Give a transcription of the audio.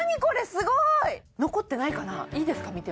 これすごい！残ってないかないいですか？